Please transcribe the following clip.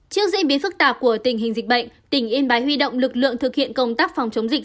trước diễn biến phức tạp của tình hình dịch bệnh tỉnh yên bái huy động lực lượng thực hiện công tác phòng chống dịch